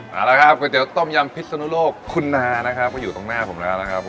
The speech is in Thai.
มาแล้วครับก๋วยเตี๊ยวต้มย่ำพิษสนุรกคุณนานะครับก็อยู่ต้องหน้าผมนะครับ